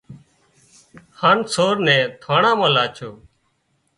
هانَ سور نين ٿاڻان مان لاڇو